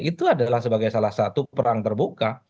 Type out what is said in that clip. itu adalah sebagai salah satu perang terbuka